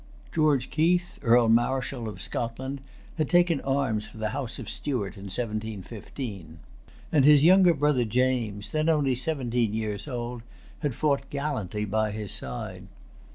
George Keith, Earl Marischal of Scotland, had taken arms for the House of Stuart in 1715; and his younger brother James, then only seventeen years old, had fought gallantly by his side.